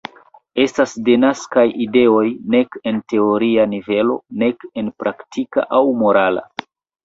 Estas denaskaj ideoj nek en teoria nivelo nek en praktika aŭ morala.